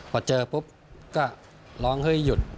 พอเจอปุ๊บก็ร้องเฮ้ยหยุด